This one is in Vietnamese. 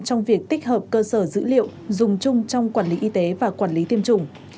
trong việc tích hợp cơ sở dữ liệu dùng chung trong quản lý y tế và quản lý tiêm chủng